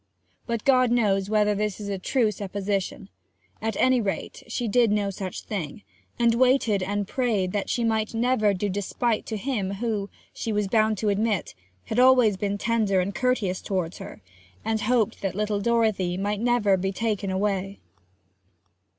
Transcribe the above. But God knows whether this is a true supposition; at any rate she did no such thing; and waited and prayed that she might never do despite to him who, she was bound to admit, had always been tender and courteous towards her; and hoped that little Dorothy might never be taken away.